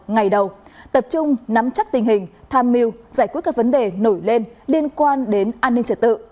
ngày đầu tập trung nắm chắc tình hình tham mưu giải quyết các vấn đề nổi lên liên quan đến an ninh trật tự